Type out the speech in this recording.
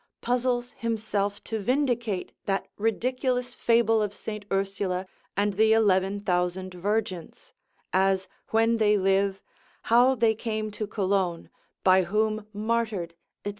puzzles himself to vindicate that ridiculous fable of St. Ursula and the eleven thousand virgins, as when they live, how they came to Cologne, by whom martyred, &c.